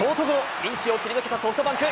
ピンチを切り抜けたソフトバンク。